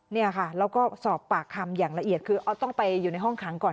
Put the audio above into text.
เนี่ยค่ะแล้วก็สอบปากคำอย่างละเอียดคือเอาต้องไปอยู่ในห้องขังก่อน